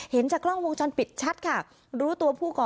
เห็นจากกล้องมุมชนปิดชัดค่ะรู้ตัวผู้ก่อเหตุแล้ว